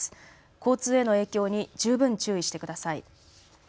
交通への影響に十分注意してください。